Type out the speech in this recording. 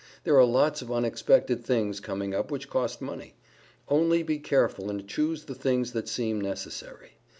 There are lots of unexpected things coming up which cost money. Only be careful and choose the things that seem necessary.